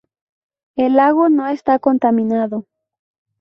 El lago no está contaminado.